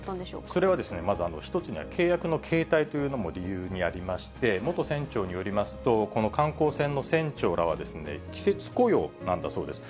それはですね、まず一つには契約の形態というのも理由にありまして、元船長によりますと、この観光船の船長らはですね、季節雇用なんだそうです。